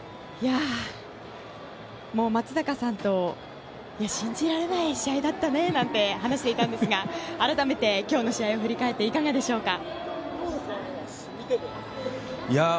松坂さんと信じられない試合だったねなんて話していたんですが改めて今日の試合を振り返っていかがでしょうか？